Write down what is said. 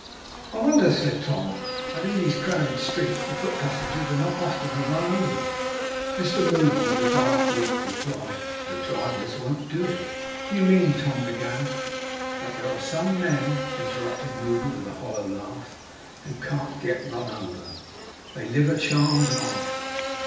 'I wonder,' said Tom, 'that in these crowded streets the foot passengers are not oftener run over.' Mr Moddle, with a dark look, replied: 'The drivers won't do it.' 'Do you mean?' Tom began 'That there are some men,' interrupted Moddle, with a hollow laugh, 'who can't get run over. They live a charmed life.